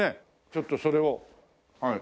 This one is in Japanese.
ちょっとそれをはい。